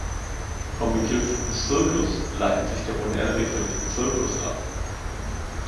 Vom Begriff "Circus" leitet sich der moderne Begriff "Zirkus" ab.